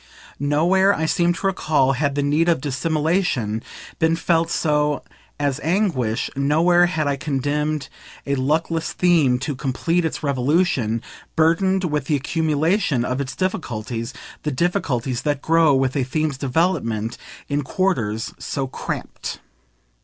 Nowhere, I seem to recall, had the need of dissimulation been felt so as anguish; nowhere had I condemned a luckless theme to complete its revolution, burdened with the accumulation of its difficulties, the difficulties that grow with a theme's development, in quarters so cramped.